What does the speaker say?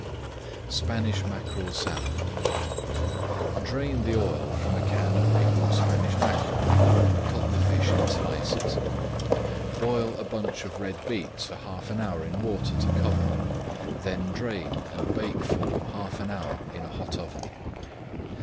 SPANISH MACKEREL SALAD Drain the oil from a can of pickled Spanish mackerel, and cut the fish in slices. Boil a bunch of red beets for half an hour in water to cover, then drain and bake for half an hour in a hot oven.